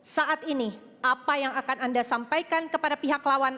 saat ini apa yang akan anda sampaikan kepada pihak lawan